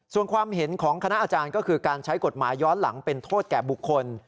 ส่วนความเห็นของคณะอาจารย์ก็คือการใช้กฎหมายย้อนหลังเป็นโทษแก่บุคคล